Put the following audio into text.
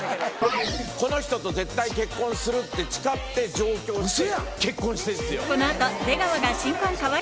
この人と絶対結婚するって誓って上京して結婚してるんですよ。